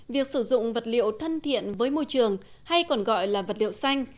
việc sử dụng vật liệu thân thiện với môi trường hay còn gọi là vật liệu xanh